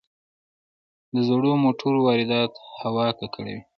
د زړو موټرو واردات هوا ککړوي.